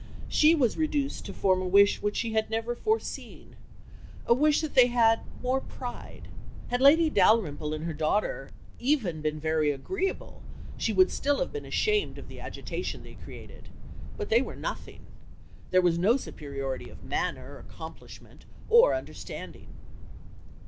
She was reduced to form a wish which she had never foreseen a wish that they had more pride.... Had Lady Dalrymple and her daughter even been very agreeable, she would still have been ashamed of the agitation they created; but they were nothing. There was no superiority of manner, accomplishment, or understanding."